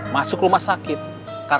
maka salah satunya